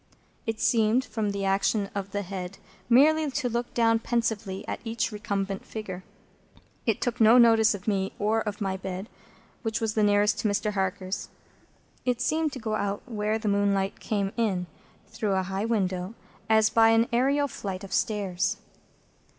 It seemed, from the action of the head, merely to look down pensively at each recumbent figure. It took no notice of me, or of my bed, which was that nearest to Mr. Harker's. It seemed to go out where the moonlight came in, through a high window, as by an aërial flight of stairs.